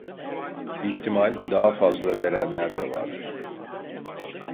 İhtimal daha fazla verenler de vardır.